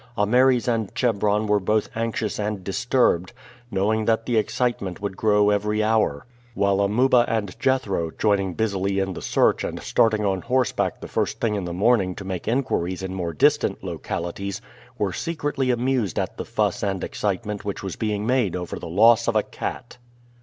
Ameres and Chebron were both anxious and disturbed, knowing that the excitement would grow every hour; while Amuba and Jethro, joining busily in the search and starting on horseback the first thing in the morning to make inquiries in more distant localities, were secretly amused at the fuss and excitement which was being made over the loss of a cat.